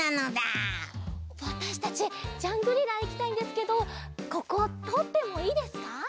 わたしたちジャングリラいきたいんですけどこことおってもいいですか？